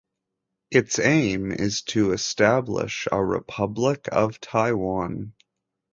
Its aim is to establish a Republic of Taiwan.